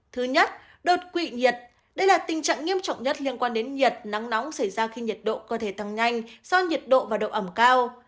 thứ nhất đột quỵ nhiệt đây là tình trạng nghiêm trọng nhất liên quan đến nhiệt nắng nóng xảy ra khi nhiệt độ cơ thể tăng nhanh do nhiệt độ và độ ẩm cao